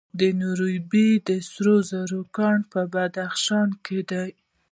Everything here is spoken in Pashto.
د نورابې د سرو زرو کان په بدخشان کې دی.